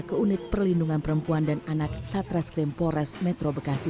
keunik perlindungan perempuan dan anak satres krem pores metro bekasi